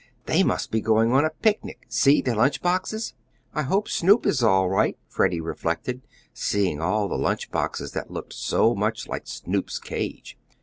"They must be going on a picnic; see their lunch boxes." "I hope Snoop is all right," Freddie reflected, seeing all the lunch boxes that looked so much like Snoop's cage.